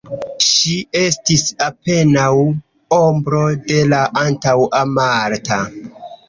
Ŝi estis apenaŭ ombro de la antaŭa Marta.